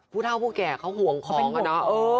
ผู้เท่าผู้แก่เขาห่วงของอะเนาะ